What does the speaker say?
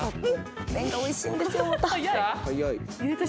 麺がおいしいんですよまたきた？